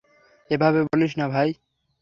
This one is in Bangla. এভাবে বলিস না ভাই!